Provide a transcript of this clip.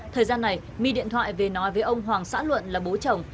thời gian này my điện thoại về nói với ông hoàng xã luận là bố chồng